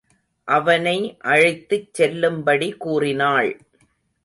அவனை அழைத்துச் செல்லும்படி கூறினாள்.